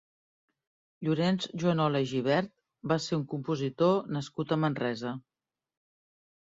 Llorenç Juanola i Gibert va ser un compositor nascut a Manresa.